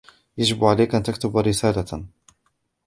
يجب عليك أن تكتب رسالةً.